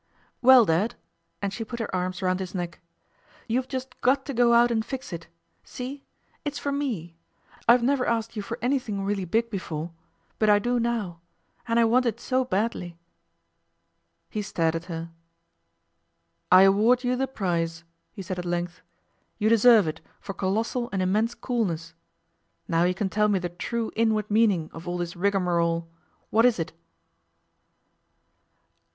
'Well, Dad,' and she put her arms round his neck, 'you've just got to go out and fix it. See? It's for me. I've never asked you for anything really big before. But I do now. And I want it so badly.' He stared at her. 'I award you the prize,' he said, at length. 'You deserve it for colossal and immense coolness. Now you can tell me the true inward meaning of all this rigmarole. What is it?